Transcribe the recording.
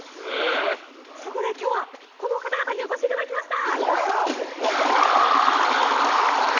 そこで今日はこの方々にお越しいただきました！